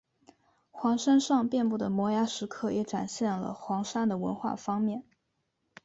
黄山上遍布的摩崖石刻也展现了黄山的文化方面。